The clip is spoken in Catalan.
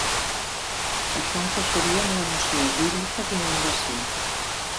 Això encaixaria amb la noció bíblica d'inundació.